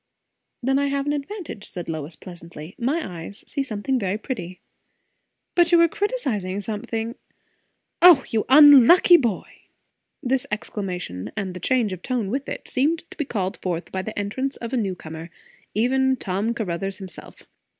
"Then I have an advantage," said Lois pleasantly. "My eyes see something very pretty." "But you were criticizing something. O you unlucky boy!" This exclamation, and the change of tone with it, seemed to be called forth by the entrance of a new comer, even Tom Caruthers himself.